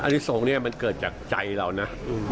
อธิสงฆ์นี้มันเกิดจากใจเรานะ